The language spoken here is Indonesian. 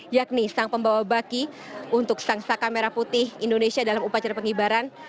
yakni sang pembawa baki untuk sang saka merah putih indonesia dalam upacara pengibaran